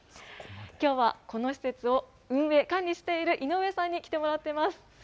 きょうは、この施設を運営、管理している井上さんに来てもらっています。